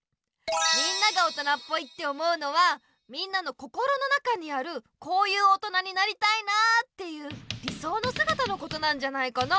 みんなが大人っぽいって思うのはみんなの心の中にある「こういう大人になりたいな」っていう理想のすがたのことなんじゃないかな。